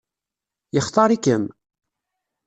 Yextaṛ-ikem?